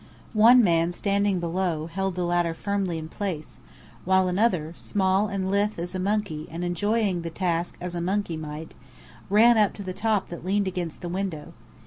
One man standing below held the ladder firmly in place, while another, small and lithe as a monkey and enjoying the task as a monkey might, ran up to the top that leaned against the window.